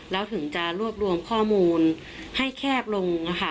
แล้วถึงจะรวบรวมข้อมูลให้แคบลง